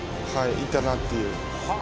いったなっていう。